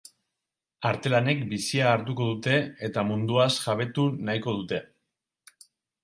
Artelanek bizia hartuko dute eta munduaz jabetu nahiko dute.